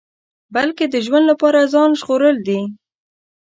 بلکې د ژوند لپاره ځان ژغورل دي.